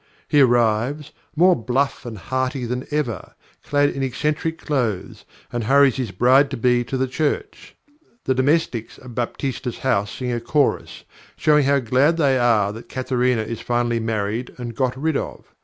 He arrives, more bluff and hearty than ever, clad in eccentric clothes, and hurries his bride to be to the church. The domestics of Baptista's house sing a chorus, showing how glad they are that Katharina is finally married and got rid of.